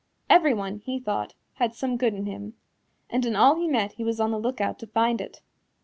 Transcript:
Everyone, he thought, had some good in him, and in all he met he was on the lookout to find it.